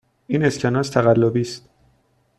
این اسکناس تقلبی است.